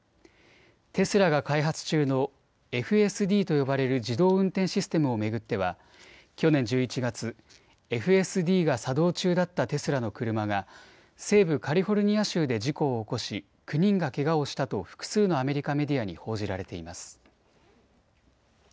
テスラが開発中のＦＳＤと呼ばれる自動運転システムを巡っては去年１１月、ＦＳＤが作動中だったテスラの車が西部カリフォルニア州で事故を起こし９人がけがをしたと複数のアメリカメディアに報じられています。